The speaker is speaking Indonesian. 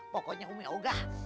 pokoknya umi nggak